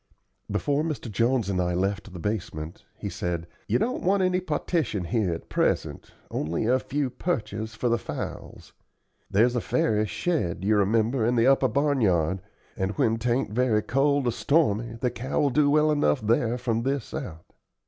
Before Mr. Jones and I left the basement, he said: "You don't want any partition here at present, only a few perches for the fowls. There's a fairish shed, you remember, in the upper barnyard, and when 'tain't very cold or stormy the cow will do well enough there from this out.